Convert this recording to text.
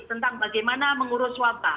tentang bagaimana mengurus wabah